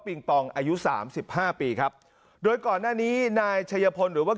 ปองอายุสามสิบห้าปีครับโดยก่อนหน้านี้นายชัยพลหรือว่า